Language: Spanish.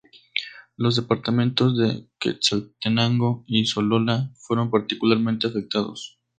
Los departamentos de Quetzaltenango y Sololá fueron particularmente afectados.